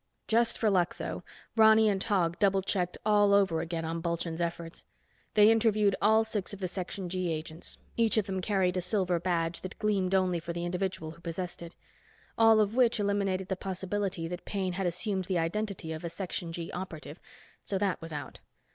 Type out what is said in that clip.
Just for luck, though, Ronny and Tog double checked all over again on Bulchand's efforts. They interviewed all six of the Section G agents. Each of them carried a silver badge that gleamed only for the individual who possessed it. All of which eliminated the possibility that Paine had assumed the identity of a Section G operative. So that was out.